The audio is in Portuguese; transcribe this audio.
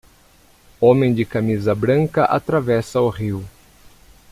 Homem de camisa branca atravessa o rio.